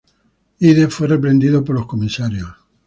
Ide fue reprendido por los comisarios.